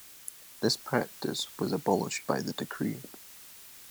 This practice was abolished by the decree.